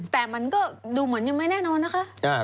แต่มันก็ดูเหมือนยังไม่แน่นอนนะคะ